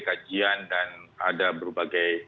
kajian dan ada berbagai